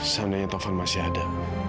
seandainya taufan masih ada